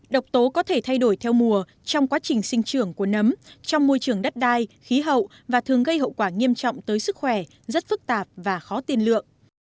độc tố có thể thay đổi theo mùa trong quá trình sinh trưởng của nấm trong môi trường đất đai khí hậu và thường gây hậu quả nghiêm trọng tới sức khỏe rất phức tạp và khó tiên lượng